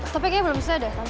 tapi kayaknya belum bisa deh